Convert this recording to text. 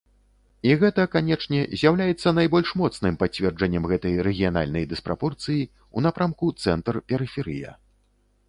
І гэта, канечне, з'яўляецца найбольш моцным пацверджаннем гэтай рэгіянальнай дыспрапорцыі ў напрамку цэнтр-перыферыя.